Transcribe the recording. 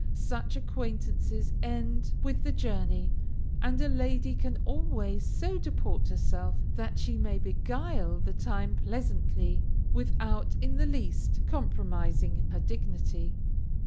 Such acquaintances end with the journey, and a lady can always so deport herself that she may beguile the time pleasantly, without, in the least, compromising her dignity.